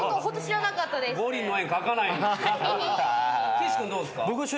岸君どうっすか？